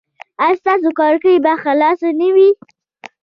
ایا ستاسو کړکۍ به خلاصه نه وي؟